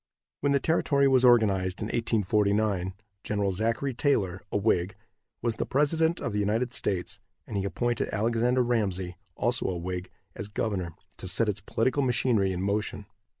When the territory was organized in 1849, Gen. Zachary Taylor, a Whig, was the president of the United States, and he appointed Alexander Ramsey, also a Whig, as governor, to set its political machinery in motion.